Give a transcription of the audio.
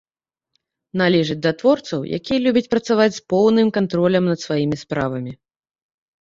Належыць да творцаў, якія любяць працаваць з поўным кантролем над сваімі справамі.